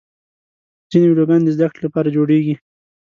ځینې ویډیوګانې د زدهکړې لپاره جوړېږي.